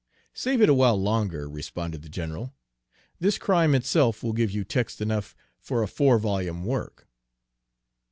"Save it awhile longer," responded the general. "This crime itself will give you text enough for a four volume work."